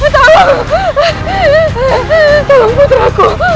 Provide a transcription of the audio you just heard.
tolong putri aku